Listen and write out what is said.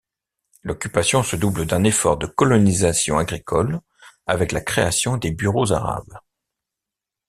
L'occupation se double d'un effort de colonisation agricole avec la création des bureaux arabes.